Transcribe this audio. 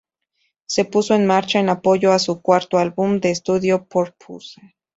Se puso en marcha en apoyo a su cuarto álbum de estudio, Purpose.